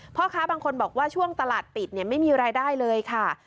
พ่อค้าบางคนบอกว่าช่วงตลาดปิดไม่มีรายได้เลยค่ะ